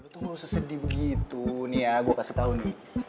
lu tuh gak usah sedih begitu nih ya gue kasih tau nih